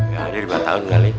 ya dari empat tahun kali